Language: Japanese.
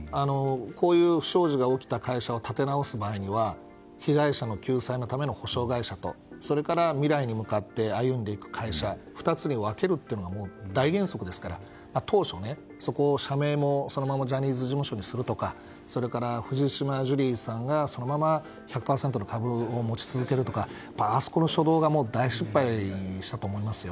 こういう不祥事が起きた会社を立て直す場合には被害者の救済のための補償会社とそれから未来に向かって歩んでいく会社２つに分けるというのは大原則ですから当初、そこを社名もそのままジャニーズ事務所にするとかそれから藤島ジュリーさんがそのまま１００％の株を持ち続けるとかあそこの初動は大失敗だったと思いますよ。